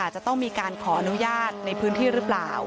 จะต้องมีการขออนุญาตในพื้นที่หรือเปล่า